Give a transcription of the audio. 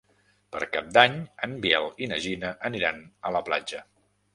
Per Cap d'Any en Biel i na Gina aniran a la platja.